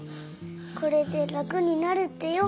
これで楽になるってよ。